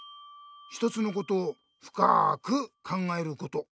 一つのことをふかく考えること。